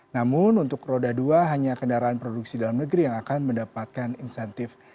namun untuk roda dua hanya kendaraan produksi dalam negeri yang akan mendapatkan insentif